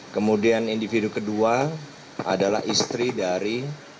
kemudian individu kedua adalah istri dari